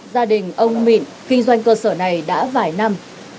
gia đình ông mịn kinh doanh cơ sở này đã vài năm